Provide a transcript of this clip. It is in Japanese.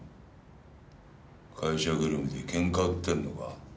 会社ぐるみでケンカ売ってんのか？